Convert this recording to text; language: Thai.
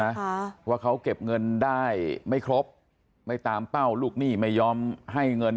ค่ะว่าเขาเก็บเงินได้ไม่ครบไม่ตามเป้าลูกหนี้ไม่ยอมให้เงิน